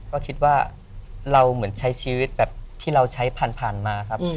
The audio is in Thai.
ก็คิดว่าเราเหมือนใช้ชีวิตแบบที่เราใช้ผ่านมาครับ